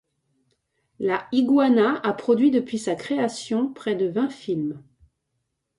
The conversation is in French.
La Iguana a produit depuis sa création près de vingt films.